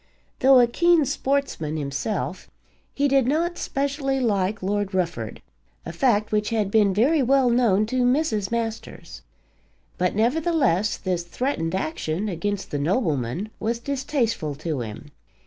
Though a keen sportsman himself, he did not specially like Lord Rufford, a fact which had been very well known to Mrs. Masters. But, nevertheless, this threatened action against the nobleman was distasteful to him.